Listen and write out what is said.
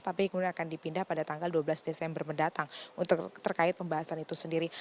tapi kemudian akan dipindah pada tanggal dua belas desember mendatang untuk terkait pembahasan itu sendiri